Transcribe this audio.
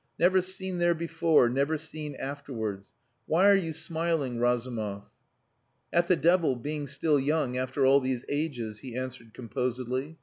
"Never seen there before, never seen afterwards. Why are you smiling, Razumov?" "At the devil being still young after all these ages," he answered composedly.